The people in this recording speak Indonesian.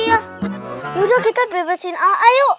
yaudah kita bebasin ayo